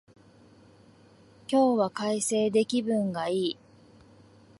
今日は快晴で気分がいい